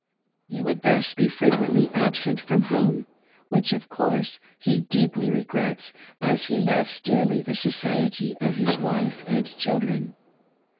He would thus be frequently absent from home, which, of course; he deeply regrets, as he loves so dearly the society of his wife and children.